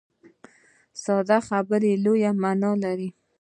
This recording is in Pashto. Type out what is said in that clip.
ساده خبره لویه معنا لري.